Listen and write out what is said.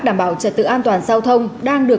trật tự an toàn giao thông đang được